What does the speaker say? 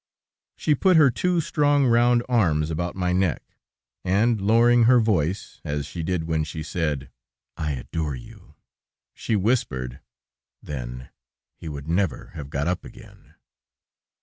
She put her two strong, round arms about my neck, and, lowering her voice, as she did when she said: "I adorre you," she whispered: "Then he would never have got up again."